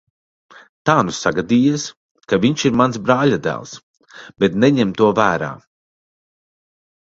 Tā nu sagadījies, ka viņš ir mans brāļadēls, bet neņem to vērā.